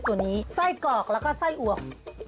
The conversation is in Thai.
ตัวนี้ไส้กรอกแล้วก็ไส้อวม